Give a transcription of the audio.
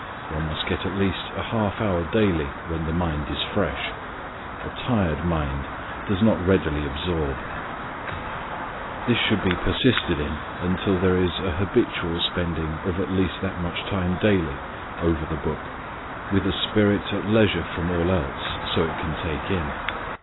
One must get at least a half hour daily when the mind is fresh. A tired mind does not readily absorb. This should be persisted in until there is a habitual spending of at least that much time daily over the Book, with a spirit at leisure from all else, so it can take in.